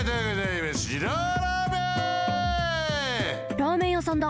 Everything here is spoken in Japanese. ラーメンやさんだ。